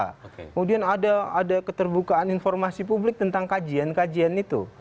kemudian ada keterbukaan informasi publik tentang kajian kajian itu